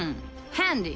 ハンディ。